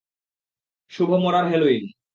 শুভ মরার হ্যালোউইন।